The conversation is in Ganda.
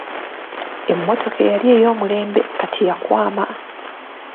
Emmotoka eyali ey'omulembe kati yakwama.